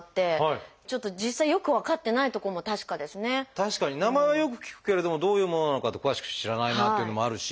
確かに名前はよく聞くけれどもどういうものなのかって詳しく知らないなっていうのもあるし。